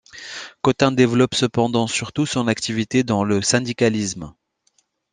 Cotin développe cependant surtout son activité dans le syndicalisme.